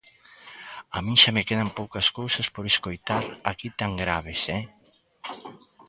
A min xa me quedan poucas cousas por escoitar aquí tan graves, ¡eh!